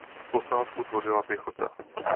Posádku tvořila pěchota.